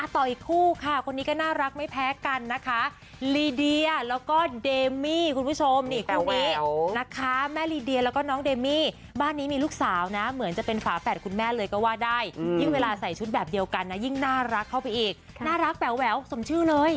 ต่ออีกคู่ค่ะคนนี้ก็น่ารักไม่แพ้กันนะคะลีเดียแล้วก็เดมี่คุณผู้ชมนี่คู่นี้นะคะแม่ลีเดียแล้วก็น้องเดมี่บ้านนี้มีลูกสาวนะเหมือนจะเป็นฝาแฝดคุณแม่เลยก็ว่าได้ยิ่งเวลาใส่ชุดแบบเดียวกันนะยิ่งน่ารักเข้าไปอีกน่ารักแหววสมชื่อเลย